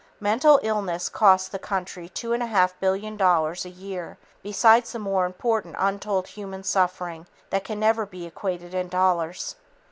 Mental illness costs the country two and a half billion dollars a year besides the more important untold human suffering that can never be equated in dollars.